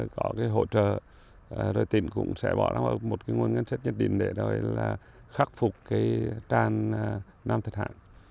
có hỗ trợ rồi tỉnh cũng sẽ bỏ ra một nguồn ngân chất nhất định để khắc phục tràn nam thạch hán